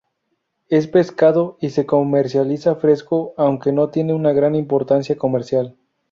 Es pescado y se comercializa fresco, aunque no tiene una gran importancia comercial.